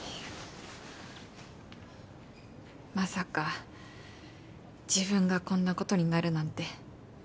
まさか自分がこんな事になるなんて。